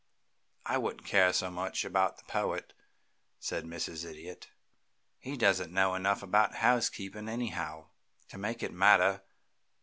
"I wouldn't care so much about the Poet," said Mrs. Idiot; "he doesn't know enough about housekeeping, anyhow, to make it matter.